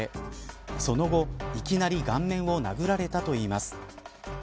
その後、いきなり顔面を殴られたといいます。